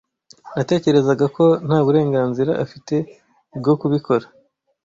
Natekerezaga ko nta burenganzira afite bwo kubikora.